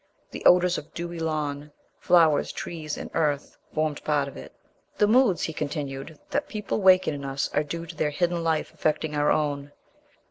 The odors of dewy lawn, flowers, trees, and earth formed part of it. "The moods," he continued, "that people waken in us are due to their hidden life affecting our own.